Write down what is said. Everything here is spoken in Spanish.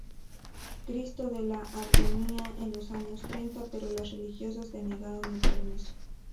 Cristo de la Agonía en los años treinta, pero las religiosas denegaron el permiso.